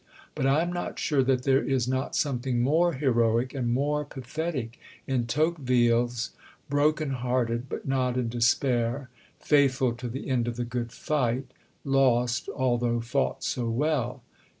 But I am not sure that there is not something more heroic and more pathetic in Tocqueville's, broken hearted, but not in despair, faithful to the end of the "good fight" lost, although fought so well.